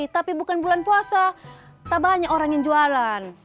tapi bukan bulan puasa tak banyak orang yang jualan